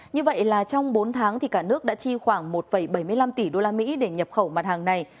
như vậy là trong bốn tháng thì cả nước đã chi khoảng một bảy mươi năm tỷ usd để nhập khẩu mặt hàng này